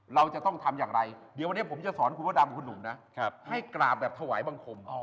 เราจะต้องทำอย่างไรเดี๋ยววันนี้ผมจะสอนคุณพระดำคุณหนุ่มนะให้กราบแบบถวายบังคม